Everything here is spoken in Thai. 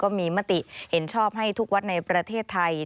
มีมติเห็นชอบให้ทุกวัดในประเทศไทย